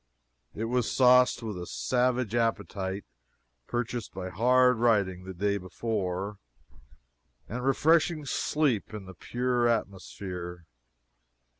It was sauced with a savage appetite purchased by hard riding the day before, and refreshing sleep in a pure atmosphere.